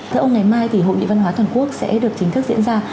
thưa ông ngày mai thì hội nghị văn hóa toàn quốc sẽ được chính thức diễn ra